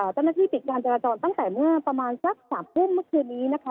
เจ้าหน้าที่ปิดการจราจรตั้งแต่เมื่อประมาณสัก๓ทุ่มเมื่อคืนนี้นะคะ